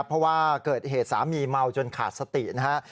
เพราะว่าเกิดเหตุสามีเมาจนขาดสตินะฮะ